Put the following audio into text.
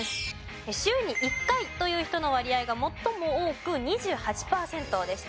週に１回という人の割合が最も多く２８パーセントでした。